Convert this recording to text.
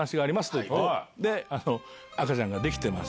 赤ちゃんができてます